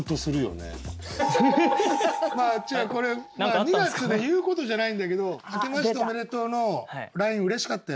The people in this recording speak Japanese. これは２月で言うことじゃないんだけど「明けましておめでとう」のＬＩＮＥうれしかったよ。